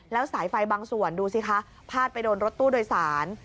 แล้วสายไฟบางส่วนดูสิคะพาดไปโดนรถตู้โดยสาร